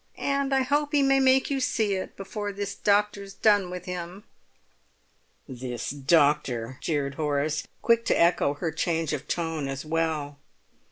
"And I hope he may make you see it before this doctor's done with him!" "This doctor!" jeered Horace, quick to echo her change of tone as well.